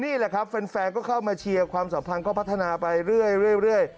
นี่แหละครับแฟนก็เข้ามาเชียร์ความสัมพันธ์ก็พัฒนาไปเรื่อย